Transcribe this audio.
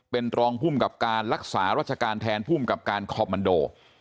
เป็นรองภูมิกับการรักษารัชการแทนภูมิกับการคอมมันโด